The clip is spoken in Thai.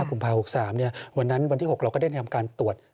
กุมภา๖๓วันนั้นวันที่๖เราก็ได้ทำการตรวจ